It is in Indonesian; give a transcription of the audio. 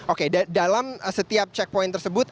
oke dalam setiap checkpoint tersebut